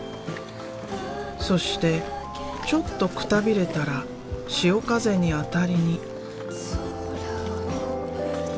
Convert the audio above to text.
そしてちょっとくたびれたら潮風にあたりに。